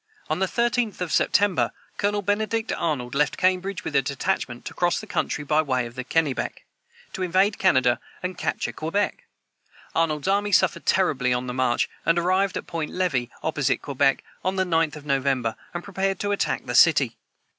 On the 13th of September, Colonel Benedict Arnold left Cambridge with a detachment to cross the country by the way of the Kennebec, to invade Canada and capture Quebec. Arnold's army suffered terribly on the march, and arrived at Point Levi, opposite Quebec, on the 9th of November, and prepared to attack the city.